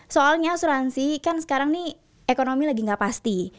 soalnya asuransi kan sekarang nih ekonomi lagi nggak pasti